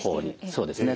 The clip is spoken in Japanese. そうですね